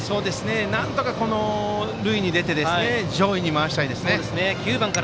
なんとか塁に出て上位に回したいですね。